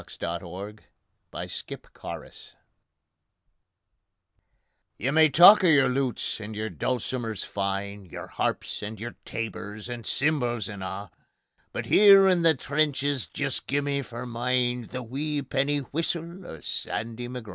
The Whistle of Sandy McGraw You may talk o' your lutes and your dulcimers fine, Your harps and your tabors and cymbals and a', But here in the trenches jist gie me for mine The wee penny whistle o' Sandy McGraw.